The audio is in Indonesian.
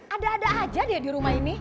ada ada aja dia di rumah ini